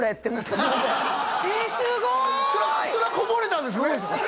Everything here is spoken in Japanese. すごいそれはこぼれたんですね